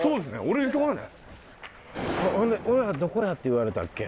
俺らどこやって言われたっけ？